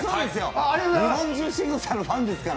日本中、慎吾さんのファンですから。